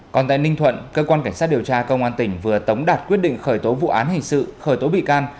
còn tại ninh thuận cơ quan cảnh sát điều tra công an tỉnh vừa tống đạt quyết định khởi tố vụ án hình sự khởi tố bị can